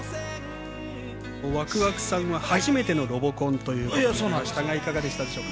わくわくさんは初めてのロボコンということでしたがいかがでしたでしょうか？